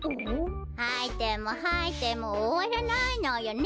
はいてもはいてもおわらないのよね。